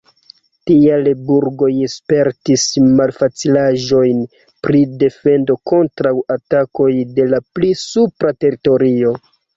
Tiaj burgoj spertis malfacilaĵojn pri defendo kontraŭ atakoj de la pli supra teritorio.